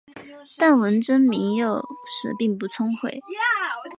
但文征明幼时并不聪慧。